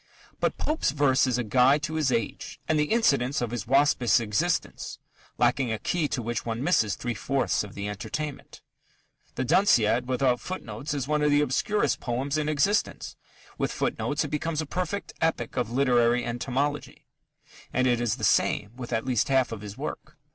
But Pope's verse is a guide to his age and the incidents of his waspish existence, lacking a key to which one misses three fourths of the entertainment. The Danciad without footnotes is one of the obscurest poems in existence: with footnotes it becomes a perfect epic of literary entomology. And it is the same with at least half of his work.